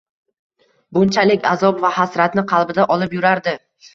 Bunchalik azob va hasratni qalbida olib yurardi